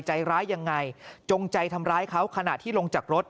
ใจร้ายยังไงจงใจทำร้ายเขาขณะที่ลงจากรถ